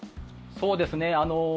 そうですね。